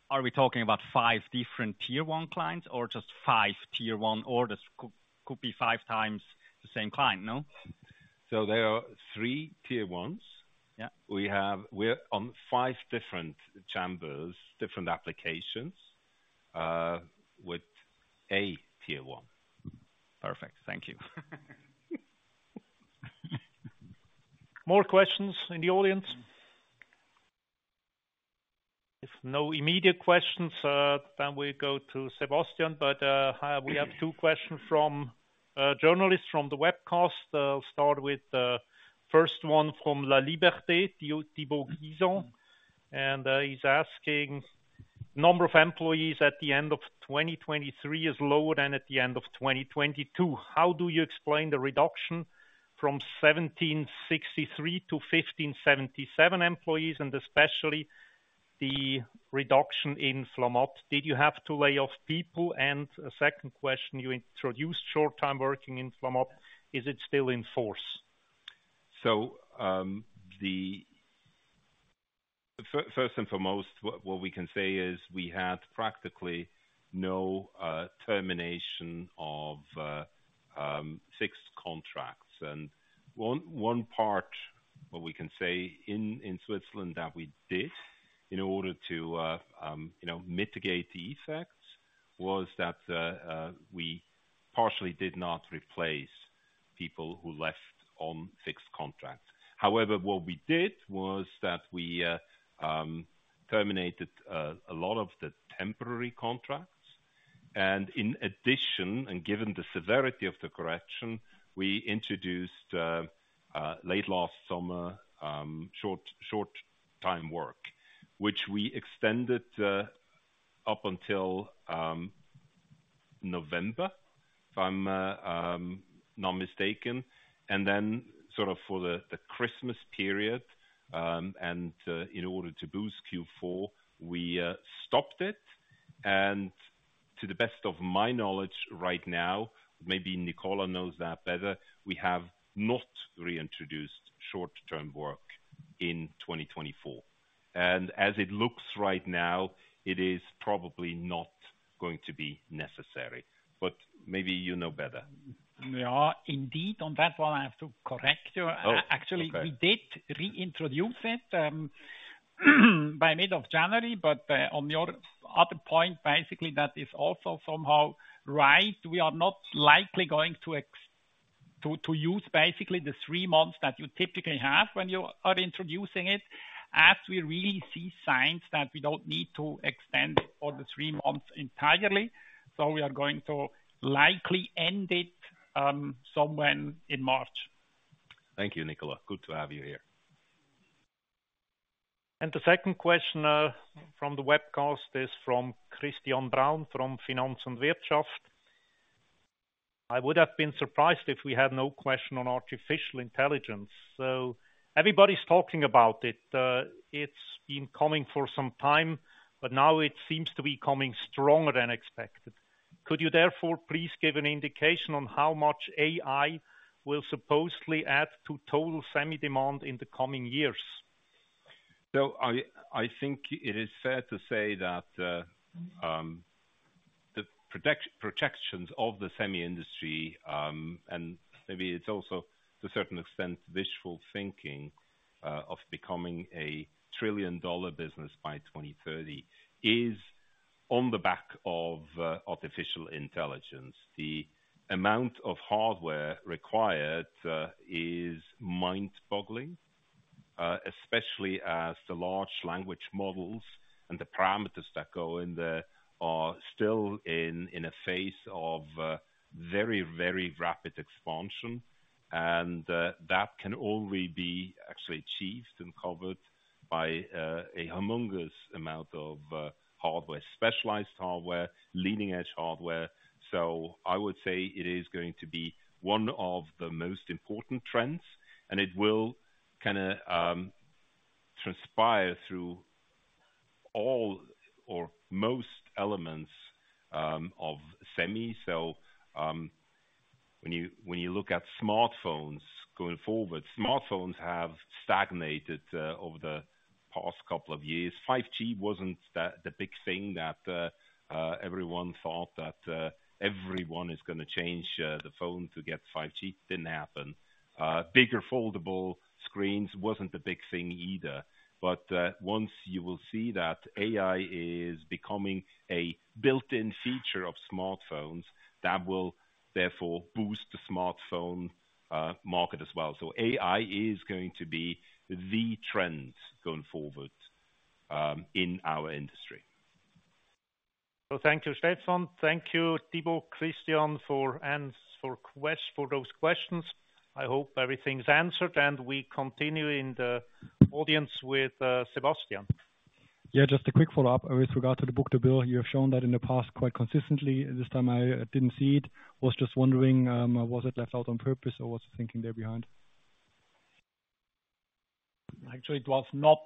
are we talking about five different tier one clients or just five tier one orders? Could be five times the same client, no? There are three tier ones. Yeah. We're on five different chambers, different applications, with a tier one. Perfect. Thank you. More questions in the audience? If no immediate questions, then we go to Sebastian. But we have two questions from journalists from the webcast. I'll start with first one from La Liberté, Thibaut Guizon. And he's asking: Number of employees at the end of 2023 is lower than at the end of 2022. How do you explain the reduction from 1,763 to 1,577 employees, and especially the reduction in Flamatt? Did you have to lay off people? And a second question, you introduced short-time working in Flamatt, is it still in force? First and foremost, what we can say is we had practically no termination of fixed contracts. And one part. What we can say in Switzerland that we did, in order to you know mitigate the effects, was that we partially did not replace people who left on fixed contracts. However, what we did was that we terminated a lot of the temporary contracts, and in addition, and given the severity of the correction, we introduced late last summer short time work, which we extended up until November, if I'm not mistaken. And then sort of for the Christmas period, and in order to boost Q4, we stopped it. To the best of my knowledge right now, maybe Nicola knows that better, we have not reintroduced short-term work in 2024. As it looks right now, it is probably not going to be necessary, but maybe you know better. Yeah, indeed, on that one I have to correct you. Oh, okay. Actually, we did reintroduce it by mid of January, but on your other point, basically, that is also somehow right. We are not likely going to use basically the three months that you typically have when you are introducing it, as we really see signs that we don't need to extend it for the three months entirely. So we are going to likely end it somewhere in March. Thank you, Nicola. Good to have you here. The second question from the webcast is from Christian Braun, from Finanz und Wirtschaft. I would have been surprised if we had no question on artificial intelligence. So everybody's talking about it. It's been coming for some time, but now it seems to be coming stronger than expected. Could you therefore please give an indication on how much AI will supposedly add to total semi demand in the coming years? So I, I think it is fair to say that the projections of the semi industry, and maybe it's also, to a certain extent, visual thinking, of becoming a trillion-dollar business by 2030, is on the back of artificial intelligence. The amount of hardware required is mind-boggling, especially as the large language models and the parameters that go in there are still in, in a phase of very, very rapid expansion. And that can only be actually achieved and covered by a humongous amount of hardware, specialized hardware, leading-edge hardware. So I would say it is going to be one of the most important trends, and it will kinda transpire through all or most elements of semi. So, when you look at smartphones going forward, smartphones have stagnated over the past couple of years. 5G wasn't the big thing that everyone thought that everyone is gonna change the phone to get 5G. Didn't happen. Bigger foldable screens wasn't a big thing either. But once you will see that AI is becoming a built-in feature of smartphones, that will therefore boost the smartphone market as well. So AI is going to be the trend going forward in our industry. So thank you, Stephan. Thank you, Thibaut, Christian, for those questions. I hope everything's answered, and we continue in the audience with Sebastian. Yeah, just a quick follow-up with regard to the book-to-bill. You have shown that in the past quite consistently. This time I didn't see it. Was just wondering, was it left out on purpose, or what's the thinking there behind? Actually, it was not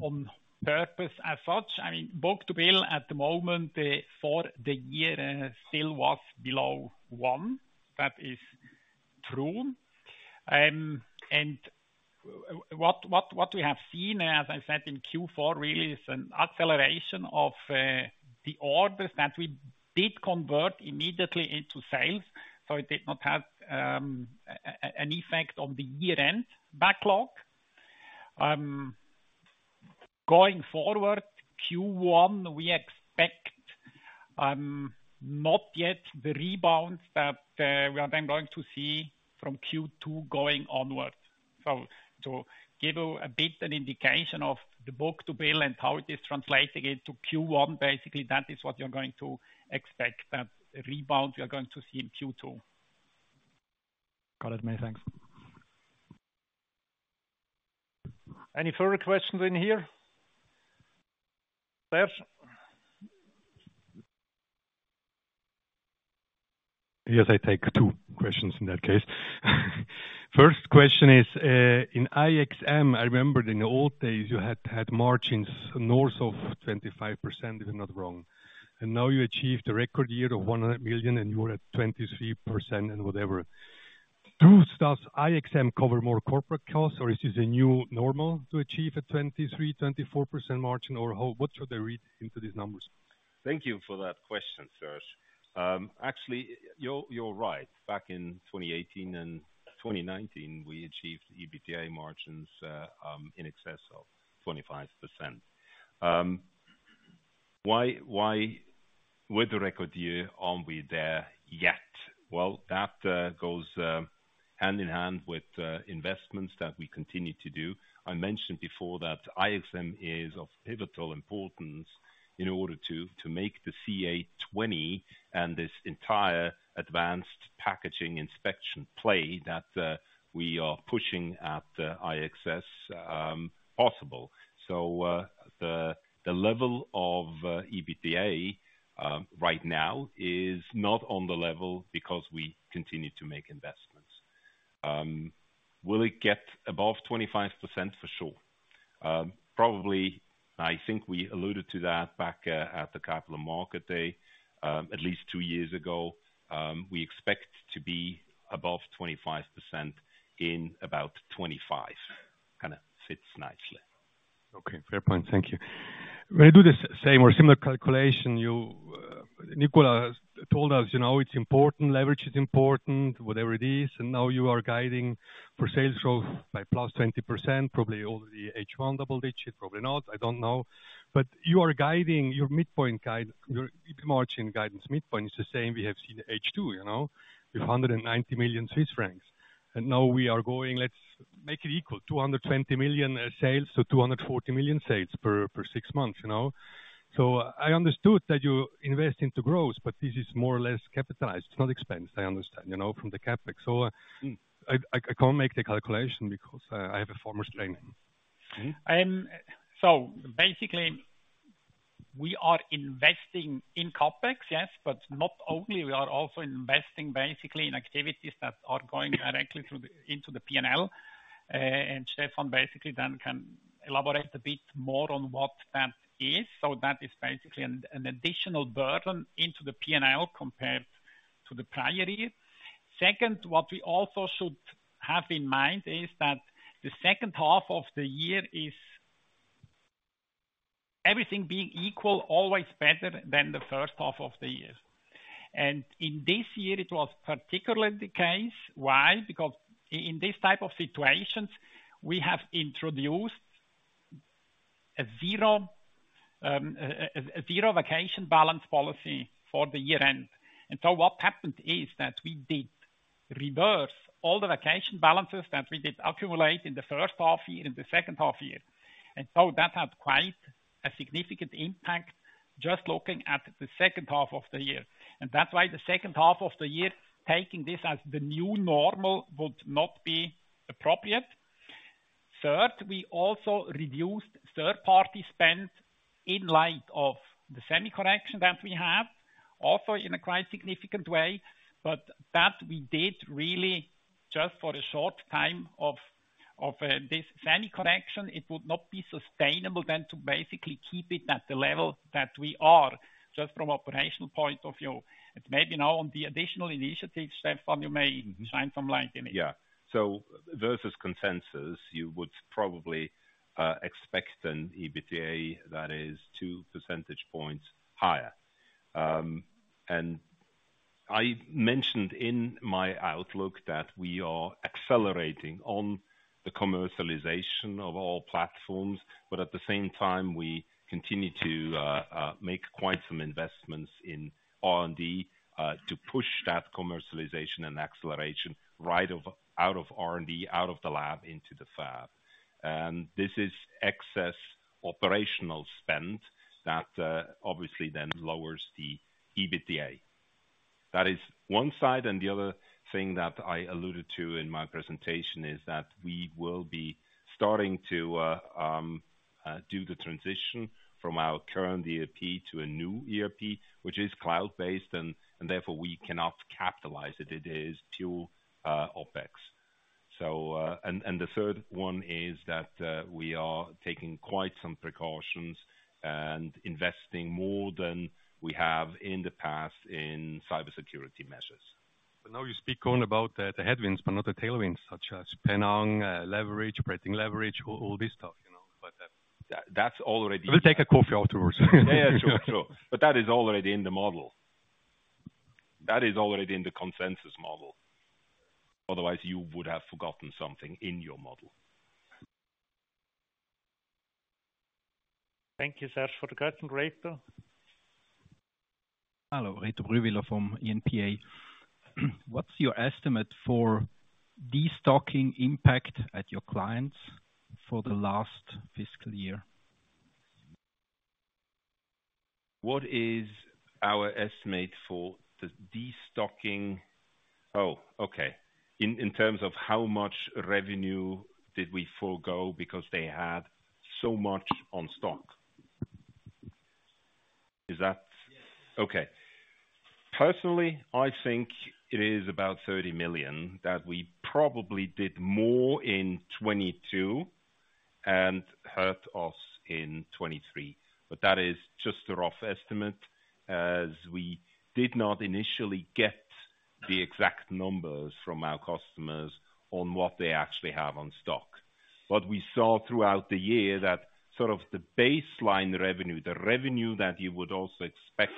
on purpose as such. I mean, book-to-bill at the moment, for the year, still was below one. That is true. And what we have seen, as I said in Q4, really is an acceleration of, the orders that we did convert immediately into sales, so it did not have, an effect on the year-end backlog. Going forward, Q1, we expect, not yet the rebounds that, we are then going to see from Q2 going onwards. So to give you a bit an indication of the book-to-bill and how it is translating into Q1, basically, that is what you're going to expect, that rebound we are going to see in Q2. Got it. Many thanks. Any further questions in here? Serge? Yes, I take two questions in that case. First question is, in IXM, I remember in the old days, you had had margins north of 25%, if I'm not wrong. And now you achieved a record year of 100 million, and you are at 23% and whatever. Thus, does IXM cover more corporate costs, or is this a new normal to achieve a 23%-24% margin, or what should I read into these numbers?... Thank you for that question, Serge. Actually, you're right. Back in 2018 and 2019, we achieved EBITDA margins in excess of 25%. Why with the record year aren't we there yet? Well, that goes hand in hand with investments that we continue to do. I mentioned before that IXM is of pivotal importance in order to make the CA-20 and this entire advanced packaging inspection play that we are pushing at IXS possible. So, the level of EBITDA right now is not on the level because we continue to make investments. Will it get above 25%? For sure. Probably, I think we alluded to that back at the capital market day at least two years ago. We expect to be above 25% in about 2025. Kinda fits nicely. Okay, fair point. Thank you. When I do the same or similar calculation, you, Nicola has told us, you know, it's important, leverage is important, whatever it is, and now you are guiding for sales growth by +20%, probably over the H1 double digit, probably not, I don't know. But you are guiding, your midpoint guide, your EB margin guidance midpoint is the same we have seen H2, you know? With 190 million Swiss francs. And now we are going, let's make it equal, 220 million sales, so 240 million sales per six months, you know? So I understood that you invest into growth, but this is more or less capitalized. It's not expense, I understand, you know, from the CapEx. So I can't make the calculation because, I have a former strain. So basically, we are investing in CapEx, yes, but not only, we are also investing basically in activities that are going directly through the, into the P&L. And Stephan basically then can elaborate a bit more on what that is. So that is basically an additional burden into the P&L compared to the prior year. Second, what we also should have in mind is that the second half of the year is... everything being equal, always better than the first half of the year. And in this year, it was particularly the case. Why? Because in these type of situations, we have introduced a zero vacation balance policy for the year end. And so what happened is that we did reverse all the vacation balances that we did accumulate in the first half year, in the second half year. And so that had quite a significant impact, just looking at the second half of the year. And that's why the second half of the year, taking this as the new normal, would not be appropriate. Third, we also reduced third-party spend in light of the semi correction that we have, also in a quite significant way, but that we did really just for a short time of this semi correction. It would not be sustainable then to basically keep it at the level that we are, just from operational point of view. And maybe now on the additional initiatives, Stephan, you may shine some light in it. Yeah. So versus consensus, you would probably expect an EBITDA that is two percentage points higher. And I mentioned in my outlook that we are accelerating on the commercialization of all platforms, but at the same time, we continue to make quite some investments in R&D to push that commercialization and acceleration right out of R&D, out of the lab into the fab. And this is excess operational spend that obviously then lowers the EBITDA. That is one side, and the other thing that I alluded to in my presentation is that we will be starting to do the transition from our current ERP to a new ERP, which is cloud-based, and therefore we cannot capitalize it. It is pure OpEx. So, the third one is that we are taking quite some precautions and investing more than we have in the past in cybersecurity measures. But now you speak only about the headwinds, but not the tailwinds, such as Penang, leverage, operating leverage, all this stuff, you know? But, that's already- We'll take a coffee afterwards. Yeah, sure. Sure. But that is already in the model. That is already in the consensus model. Otherwise, you would have forgotten something in your model. Thank you, Serge, for the question. Rachel? Hello, Rachel Blunschi from NZZ. What's your estimate for destocking impact at your clients for the last fiscal year? What is our estimate for the destocking? Oh, okay. In terms of how much revenue did we forego because they had so much on stock? Is that- Yes. Okay. Personally, I think it is about 30 million, that we probably did more in 2022 and hurt us in 2023. But that is just a rough estimate, as we did not initially get the exact numbers from our customers on what they actually have on stock. What we saw throughout the year, that sort of the baseline revenue, the revenue that you would also expect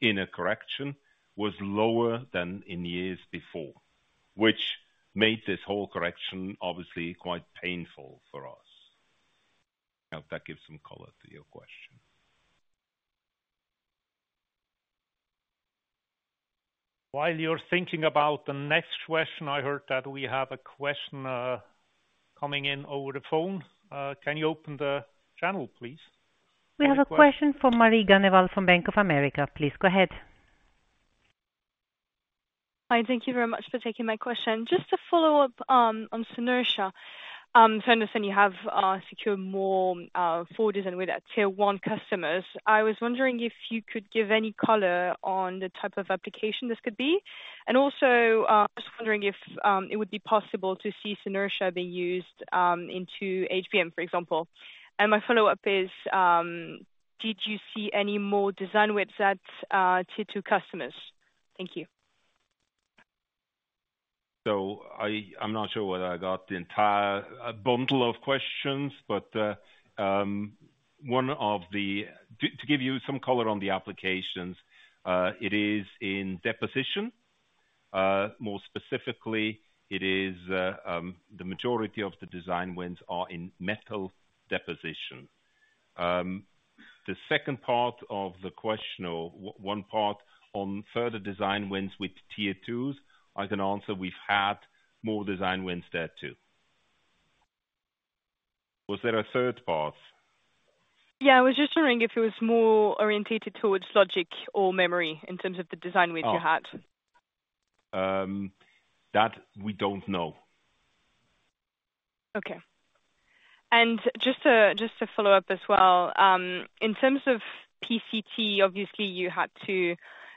in a correction, was lower than in years before, which made this whole correction obviously quite painful for us. I hope that gives some color to your question. While you're thinking about the next question, I heard that we have a question coming in over the phone. Can you open the channel, please? We have a question from Marie Ganneval from Bank of America. Please, go ahead. Hi, thank you very much for taking my question. Just to follow up, on Synertia. So I understand you have secured more for design win at tier one customers. I was wondering if you could give any color on the type of application this could be? And also, just wondering if it would be possible to see Synertia being used into HBM, for example. And my follow-up is, did you see any more design wins at Tier 2 customers? Thank you. So I'm not sure whether I got the entire bundle of questions, but to give you some color on the applications, it is in deposition. More specifically, it is the majority of the design wins are in metal deposition. The second part of the question or one part on further design wins with Tier 2, I can answer, we've had more design wins there, too. Was there a third part? Yeah, I was just wondering if it was more oriented towards logic or memory in terms of the design wins you had? Oh. That we don't know. Okay. And just to follow up as well, in terms of PCT, obviously you had to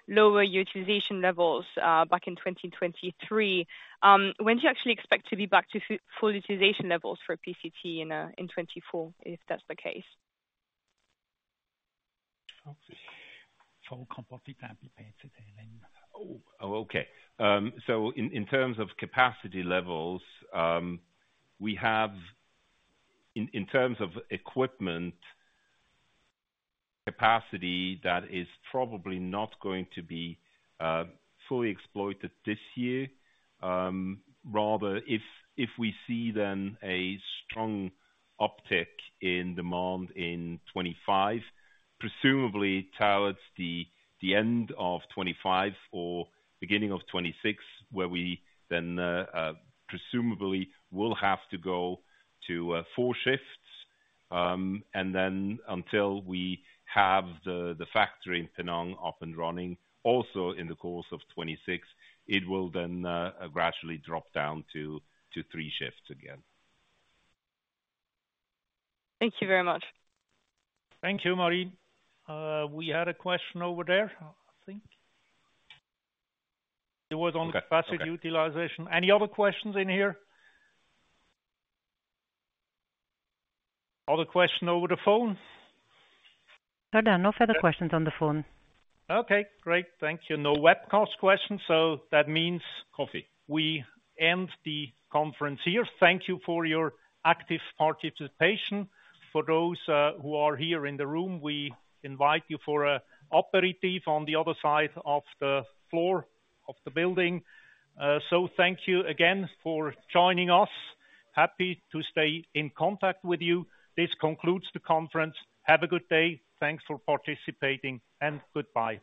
lower utilization levels back in 2023. When do you actually expect to be back to full utilization levels for PCT in 2024, if that's the case? Oh, okay. So in terms of capacity levels, we have, in terms of equipment capacity, that is probably not going to be fully exploited this year. Rather if we see then a strong uptick in demand in 2025, presumably towards the end of 2025 or beginning of 2026, where we then presumably will have to go to four shifts. And then until we have the factory in Penang up and running, also in the course of 2026, it will then gradually drop down to three shifts again. Thank you very much. Thank you, Marie. We had a question over there, I think. It was on capacity utilization. Any other questions in here? Other question over the phone? No, Dan, no further questions on the phone. Okay, great. Thank you. No webcast questions, so that means- Coffee... we end the conference here. Thank you for your active participation. For those who are here in the room, we invite you for aperitifs on the other side of the floor of the building. Thank you again for joining us. Happy to stay in contact with you. This concludes the conference. Have a good day. Thanks for participating, and goodbye.